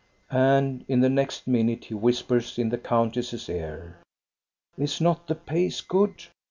And in the next minute he whispers in the count ess's ear : "Is not the pace good?